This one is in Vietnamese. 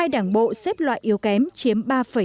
hai đảng bộ xếp loại yếu kém chiếm ba hai